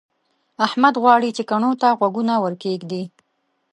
احمد غواړي چې کڼو ته غوږونه ورکېږدي.